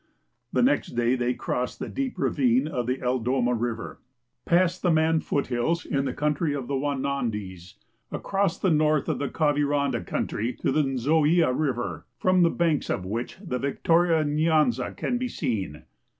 The next tlay tlu y crossed the deep ravine of the Eldoma river, jxissed the .Man foothills to the country of the Wauandis, across the north of the Kavirondo country, to theNzoia river, from the banks of which the Victoria Xyanza could be seen.